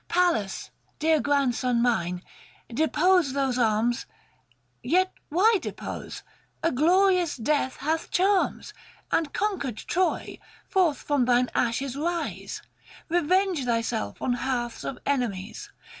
Pallas, dear grandson mine — depose those arms, Yet why depose ! a glorious death hath charms. 550 And conquered Troy, forth from thine ashes rise, Kevenge thyself on hearths of enemies.